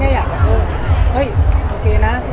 ผ่อนก็ตอบอย่างไร